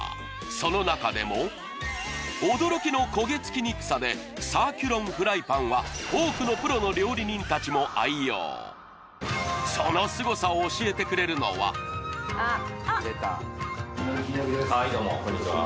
その中でも驚きの焦げ付きにくさでサーキュロンフライパンは多くのプロの料理人達も愛用そのすごさを教えてくれるのははいどうもこんにちは